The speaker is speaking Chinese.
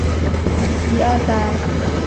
强调日本对台湾产业开发的重视。